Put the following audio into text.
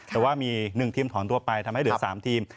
แต่ว่ามี๑ทีมถอนตัวไปทำให้เหลือ๓ทีม